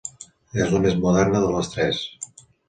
És la més moderna de les tres.